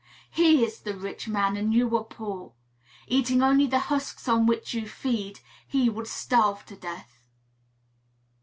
He is the rich man, and you are poor. Eating only the husks on which you feed, he would starve to death."